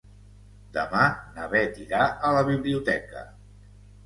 Demà na Bet irà a la biblioteca.